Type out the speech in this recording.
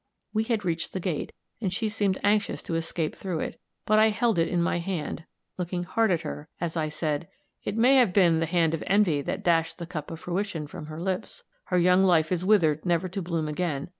We had reached the gate, and she seemed anxious to escape through it; but I held it in my hand, looking hard at her, as I said "It may have been the hand of envy which dashed the cup of fruition from her lips. Her young life is withered never to bloom again.